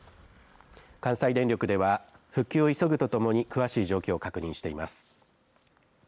関西電力では復旧を急ぐとともに詳しい状況を確認しています。